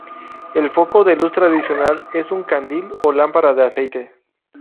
El foco de luz tradicional es un candil o lámpara de aceite.